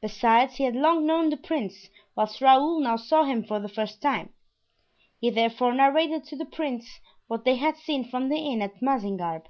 Besides, he had long known the prince, whilst Raoul now saw him for the first time. He therefore narrated to the prince what they had seen from the inn at Mazingarbe.